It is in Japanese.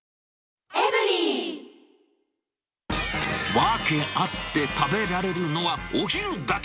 訳あって食べられるのはお昼だけ！